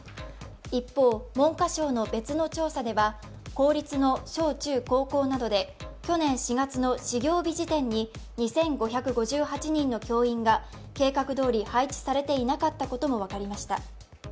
一方、文科省の別の調査では公立の小・中・高校などで去年４月の始業日時点に２５５８人の教員が計画どおり配置されていなかったことも分かりました。